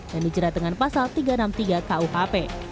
dan dijerat dengan pasal tiga ratus enam puluh tiga kuhp